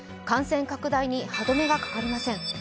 感染拡大に歯止めがかかりません。